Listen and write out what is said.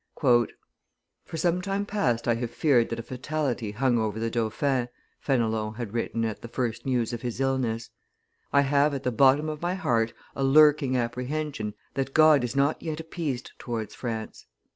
"For some time past I have feared that a fatality hung over the dauphin," Fenelon had written at the first news of his illness; "I have at the bottom of my heart a lurking apprehension that God is not yet appeased towards France.